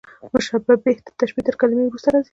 مشبه به، د تشبېه تر کلمې وروسته راځي.